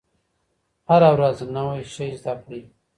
هره ورځ نوی شی زده کړئ.